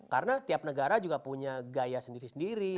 karena tiap negara juga punya gaya sendiri sendiri